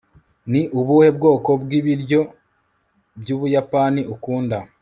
ni ubuhe bwoko bw'ibiryo by'ubuyapani ukunda